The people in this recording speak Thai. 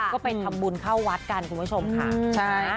ก็ไปทำบุญเข้าวัดกันคุณผู้ชมค่ะ